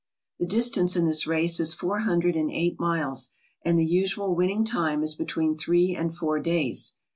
The distance in this race is four hundred and eight miles and the usual winning time is between three and four days.